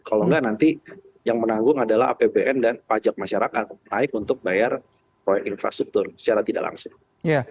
kalau enggak nanti yang menanggung adalah apbn dan pajak masyarakat naik untuk bayar proyek infrastruktur secara tidak langsung